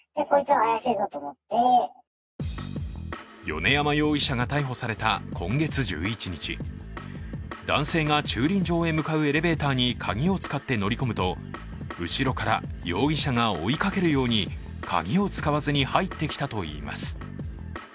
米山容疑者が逮捕された今月１１日男性が駐輪場へ向かうエレベーターに鍵を使って乗り込むと後ろから容疑者が追いかけるように鍵を使わずに入ってきたといいます。